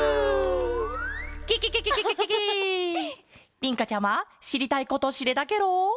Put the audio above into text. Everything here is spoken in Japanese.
りんかちゃましりたいことしれたケロ？